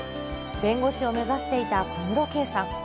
弁護士を目指していた小室圭さん。